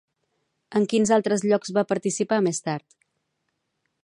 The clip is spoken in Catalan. En quins altres llocs va participar més tard?